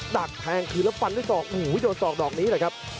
ดัดแพงขึ้นแล้วปันด้วยศอกหูวิจารย์ศอกดอกนี้เลยครับ